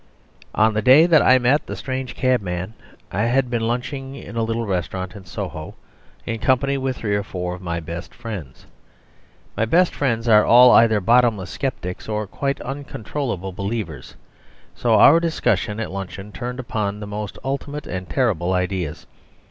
On the day that I met the strange cabman I had been lunching in a little restaurant in Soho in company with three or four of my best friends. My best friends are all either bottomless sceptics or quite uncontrollable believers, so our discussion at luncheon turned upon the most ultimate and terrible ideas.